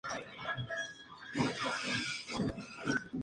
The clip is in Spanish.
Estas llamaron la atención del paleontólogo Josef Augusta.